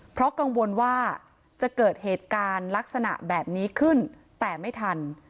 เพราะกังวลว่าจะเกิดเหตุการณ์ลักษณะแบบนี้ขึ้นแต่ไม่ทัน